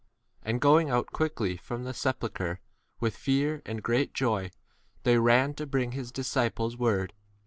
And they departed quickly from the sepulchre with fear and great joy; and did run to bring his disciples word.